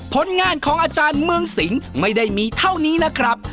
ผลงานของอาจารย์เมืองสิงห์ไม่ได้มีเท่านี้นะครับ